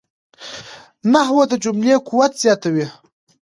نحوه د جملې قوت زیاتوي.